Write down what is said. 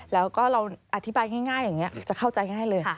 แล้วก็เราอธิบายง่ายอย่างนี้จะเข้าใจง่ายเลย